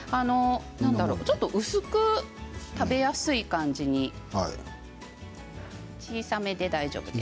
ちょっと薄く食べやすい感じに小さめで大丈夫です。